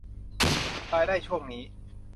รายได้ช่วงนี้